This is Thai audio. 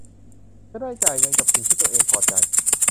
จะได้จ่ายเงินกับสิ่งที่ตัวเองพอใจ